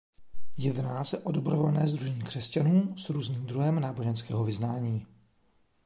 Jedná se o dobrovolné sdružení křesťanů s různým druhem náboženského vyznání.